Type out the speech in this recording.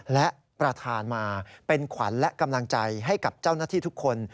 และประธานมาเป็นขวัญและกำลังใจให้กับเจ้าหน้าที่ทุกคน